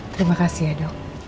terima kasih ya dok